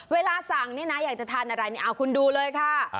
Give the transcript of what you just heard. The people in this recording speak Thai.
เวลาสั่งนี่นะอยากจะทานอะไรเนี่ยคุณดูเลยค่ะ